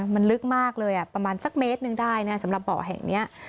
มันลึกมากเลยประมาณสักเมตรหนึ่งได้นะสำหรับเบาะแห่งนี้